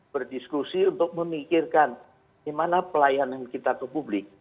berdiskusi untuk memikirkan gimana pelayanan kita ke publik